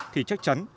thì chắc chắn